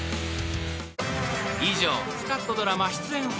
［以上スカッとドラマ出演